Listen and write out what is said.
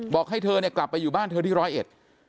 บอกให้เธอเนี่ยกลับไปอยู่บ้านเธอที่ร้อยเอ็ด